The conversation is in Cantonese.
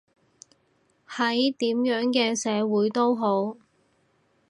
喺點樣嘅社會都好